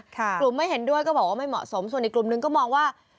กลุ่มไม่เห็นด้วยก็บอกว่าไม่เหมาะสมส่วนอีกกลุ่มนึงก็มองว่า